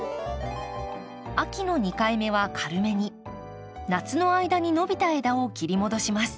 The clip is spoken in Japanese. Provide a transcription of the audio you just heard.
秋の二回目は軽めに夏の間に伸びた枝を切り戻します。